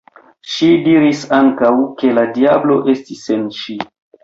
Ŝi diris ankaŭ, ke la diablo estis en ŝi.